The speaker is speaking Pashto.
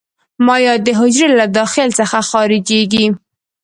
مایعات د حجرې له داخل څخه خارجيږي.